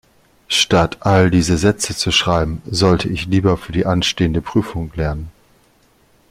Statt all diese Sätze zu schreiben, sollte ich lieber für die anstehende Prüfung lernen.